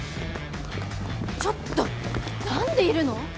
ちょっと何でいるの？